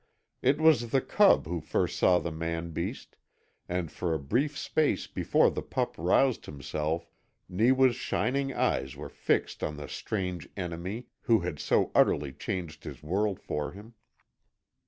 It was the cub who first saw the man beast, and for a brief space before the pup roused himself Neewa's shining eyes were fixed on the strange enemy who had so utterly changed his world for him.